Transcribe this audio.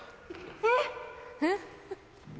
えっ！